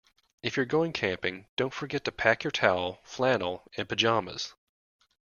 If you're going camping, don't forget to pack your towel, flannel, and pyjamas